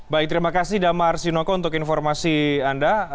baik terima kasih damar sinoko untuk informasi anda